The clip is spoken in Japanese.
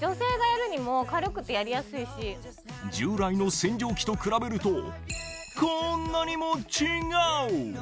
従来の洗浄機と比べるとこんなにも違う！